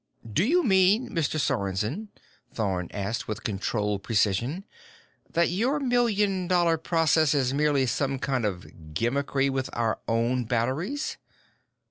"Do you mean, Mr. Sorensen," Thorn asked with controlled precision, "that your million dollar process is merely some kind of gimmickry with our own batteries?"